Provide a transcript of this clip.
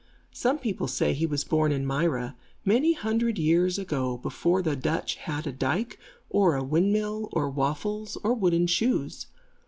Some people say he was born in Myra, many hundred years ago before the Dutch had a dyke or a windmill, or waffles, or wooden shoes.